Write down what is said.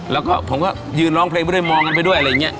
แล้วก็ผมก็ยืนร้องเพลงไปด้วยมองกันไปด้วยอะไรอย่างนี้